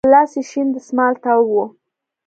په لاس يې شين دسمال تاو و.